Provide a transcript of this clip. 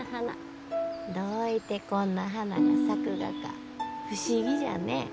どういてこんな花が咲くがか不思議じゃね。